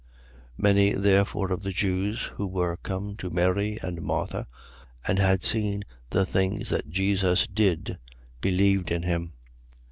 11:45. Many therefore of the Jews, who were come to Mary and Martha and had seen the things that Jesus did, believed in him.